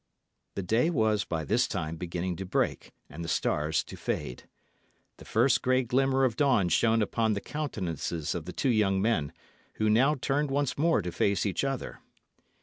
The day was by this time beginning to break, and the stars to fade. The first grey glimmer of dawn shone upon the countenances of the two young men, who now turned once more to face each other.